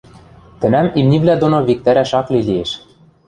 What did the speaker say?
– Тӹнӓм имнивлӓ доно виктӓрӓш ак ли лиэш...